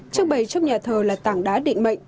trưng bày trong nhà thờ là tảng đá định mệnh